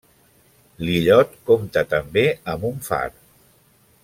L'illot compta també amb un far.